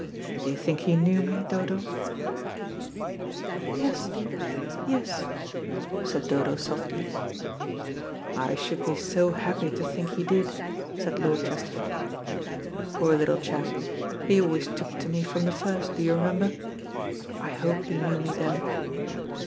Do you think he knew me, Dodo?" "Yes, dear, yes," said Dodo softly. "I should be so happy to think he did," said Lord Chesterford. "Poor little chap, he always took to me from the first, do you remember? I hope he knew me then.